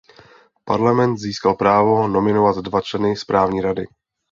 Parlament získal právo nominovat dva členy správní rady.